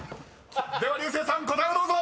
［では竜星さん答えをどうぞ］